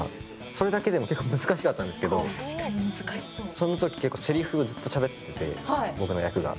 それだけでも結構難しかったんですけど、そのときせりふをずっとしゃべっていて、僕の役が。